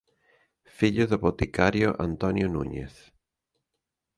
Fillo do boticario Antonio Núñez.